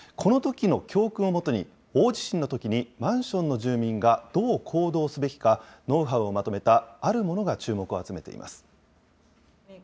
このときの教訓をもとに、大地震のときにマンションの住民がどう行動すべきか、ノウハウをまとめたあるものが注目を集めています。